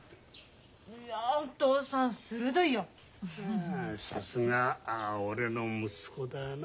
ああさすが俺の息子だな。